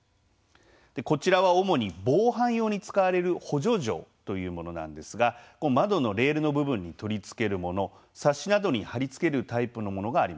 こちらは主に防犯用に使われる補助錠というものなんですが窓のレールの部分に取り付けるものサッシなどに貼り付けるタイプのものがあります。